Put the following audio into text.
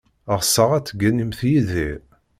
Ɣseɣ ad tegganimt Yidir.